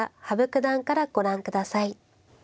羽生九段からご覧下さい。